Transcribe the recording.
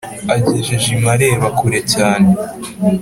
agejeje i mareba kure cyane